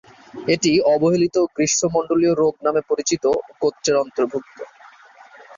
এটি অবহেলিত গ্রীষ্মমন্ডলীয় রোগ নামে পরিচিত গোত্রের অন্তর্ভুক্ত।